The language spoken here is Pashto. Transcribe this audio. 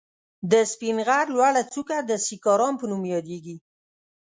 د سپين غر لوړه څکه د سيکارام په نوم ياديږي.